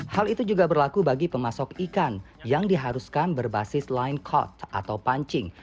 hal itu juga berlaku bagi pemasok ikan yang diharuskan berbasis line court atau pancing